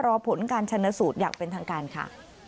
รอผลการชนสูตรอย่างเป็นทางการค่ะ